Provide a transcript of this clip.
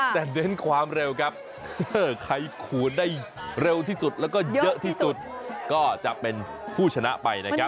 แต่เน้นความเร็วครับใครขูดได้เร็วที่สุดแล้วก็เยอะที่สุดก็จะเป็นผู้ชนะไปนะครับ